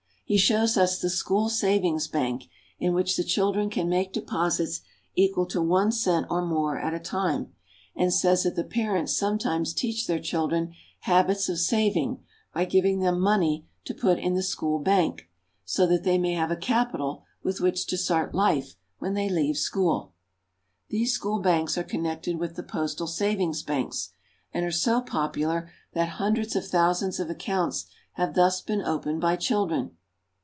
He shows us the school savings bank, in which the children can make deposits equal to one cent or more at a time, and says that the parents sometimes teach their children habits of saving by giving them money to put in the school bank, so that they may have a capital with which to start life when they leave school. These school banks are connected with the postal savings banks, and are so popular that hundreds of thousands of accounts have thus been opened by children.